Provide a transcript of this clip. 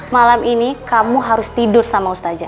malam ini kamu harus tidur sama mustaja